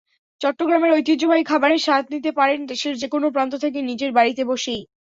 চট্টগ্রামের ঐতিহ্যবাহী খাবারের স্বাদ নিতে পারেন দেশের যেকোনো প্রান্ত থেকে, নিজের বাড়িতে বসেই।